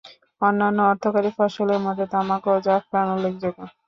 অন্যান্য অর্থকরী ফসলের মধ্যে তামাক ও জাফরান উল্লেখযোগ্য।